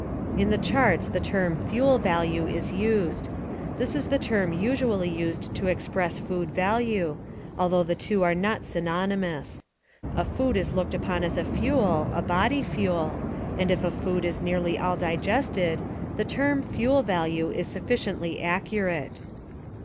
In the charts the Value term "fuel value" is used. This is the term usually used to express food value, although the two are not synony mous. A food is looked upon as a fuel, — a body fuel, — and if a food is nearly all digested, the term "fuel value" is sufficiently accurate.